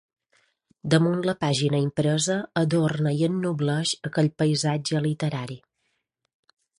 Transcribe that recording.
Damunt la pàgina impresa, adorna i ennobleix aquell paisatge literari.